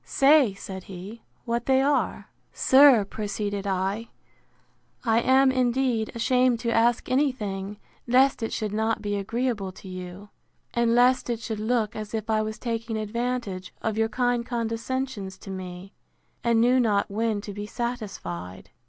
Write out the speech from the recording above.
Say, said he, what they are. Sir, proceeded I, I am, indeed, ashamed to ask any thing, lest it should not be agreeable to you; and lest it should look as if I was taking advantage of your kind condescensions to me, and knew not when to be satisfied!